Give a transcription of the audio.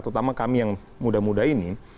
terutama kami yang muda muda ini